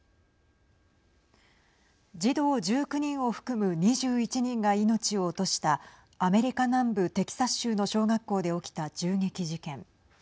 児童１９人を含む２１人が命を落としたアメリカ南部テキサス州の小学校で起きた銃撃事件。